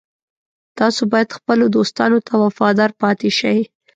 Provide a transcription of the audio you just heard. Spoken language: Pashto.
تاسو باید خپلو دوستانو ته وفادار پاتې شئ